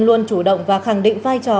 luôn chủ động và khẳng định vai trò